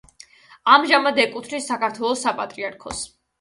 ამჟამად ეკუთვნის საქართველოს საპატრიარქოს.